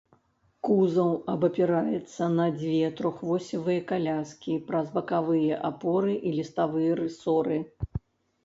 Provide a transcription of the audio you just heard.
Кузаў абапіраецца на дзве трохвосевыя каляскі праз бакавыя апоры і ліставыя рысоры.